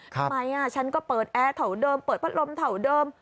ทำไมฉันก็เปิดแอร์เท่าเดิมเปิดพัดลมเท่าเดิม